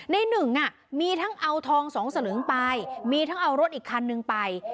ในหนึ่งมีทั้งเอาทองสองสลึงไปมีทั้งเอารถอีกคันนึงไป